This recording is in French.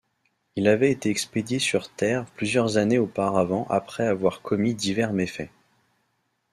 Il avait été expédié sur Terre plusieurs années auparavant après avoir commis divers méfaits.